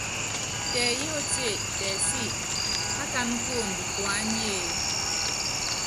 Tɛ yóótíe, tɛ sí, pákaná kuondo kuányíe ?